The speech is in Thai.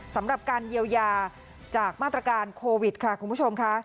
สำหรับการเยียวยาจากมาตรการโควิดค่ะคุณผู้ชมค่ะ